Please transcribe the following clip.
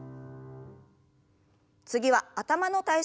次は頭の体操です。